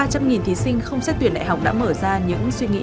ba trăm linh thí sinh không xét tuyển đại học đã mở ra những suy nghĩ